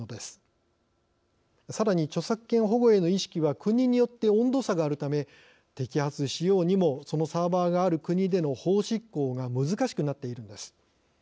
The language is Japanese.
さらに著作権保護への意識は国によって温度差があるため摘発しようにもそのサーバーがある国での法執行が難しくなっているのです。